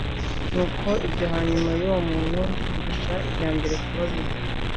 «Nuko ibyo hanyuma by'uwo muntu birusha ibya mbere kuba bibi.